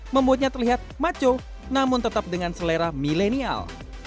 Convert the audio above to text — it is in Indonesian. membuatnya terlihat maco namun tetap dengan selera milenial